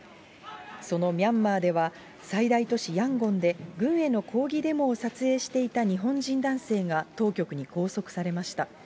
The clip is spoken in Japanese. そのミャンマーでは、最大都市ヤンゴンで、軍への抗議デモを撮影していた日本人男性が、当局に拘束されました。